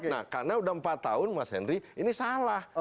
nah karena sudah empat tahun mas henry ini salah